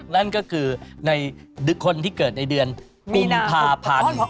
นั่นก็คือในคนที่เกิดในเดือนกุมภาพันธ์